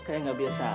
kayak gak biasa aja